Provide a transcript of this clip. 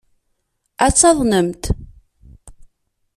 Ad taḍnemt.